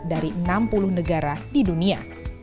dari enam puluh negara di dunia